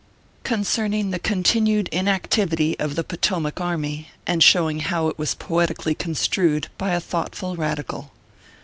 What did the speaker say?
CONCERNING THE CONTINUED INACTIVITY OF THE POTOMAC ARMY, AND SHOWING HOW IT WAS POETICALLY CONSTRUED BY A THOUGHTFUL RADICAL.